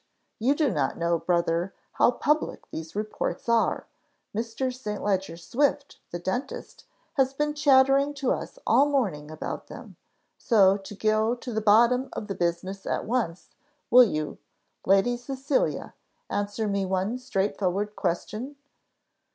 You do not know, brother, how public these reports are. Mr. St. Leger Swift, the dentist, has been chattering to us all morning about them. So, to go to the bottom of the business at once, will you, Lady Cecilia, answer me one straight forward question?"